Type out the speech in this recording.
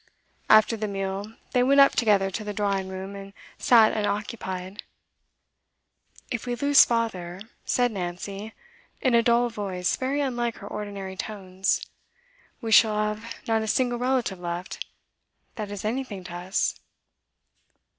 After the meal, they went up together to the drawing room, and sat unoccupied. 'If we lose father,' said Nancy, in a dull voice very unlike her ordinary tones, 'we shall have not a single relative left, that is anything to us.